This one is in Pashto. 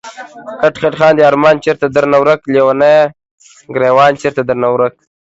کټ کټ خاندی ارمان چېرته درنه ورک ليونيه، ګريوان چيرته درنه ورک